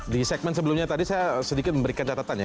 di segmen sebelumnya tadi saya sedikit memberikan catatan ya